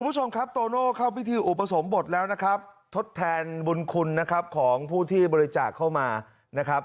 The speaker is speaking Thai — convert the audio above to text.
คุณผู้ชมครับโตโน่เข้าพิธีอุปสมบทแล้วนะครับทดแทนบุญคุณนะครับของผู้ที่บริจาคเข้ามานะครับ